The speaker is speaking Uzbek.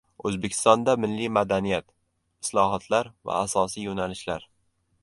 O‘zbekistonda milliy madaniyat: islohotlar va asosiy yo‘nalishlar